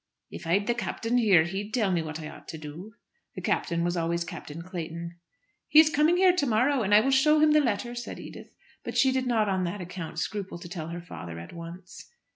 "If I'd the Captain here, he'd tell me what I ought to do." The Captain was always Captain Clayton. "He is coming here to morrow, and I will show him the letter," said Edith. But she did not on that account scruple to tell her father at once.